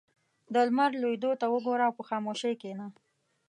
• د لمر لوېدو ته وګوره او په خاموشۍ کښېنه.